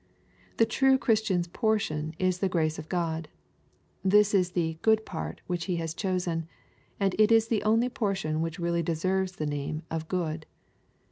The true Christian's portion is the grace of God. This is the ^^ good part" which he has chosen, and it is the only portion which really deserves the name of good."